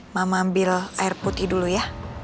mama ambil air putih dulu ya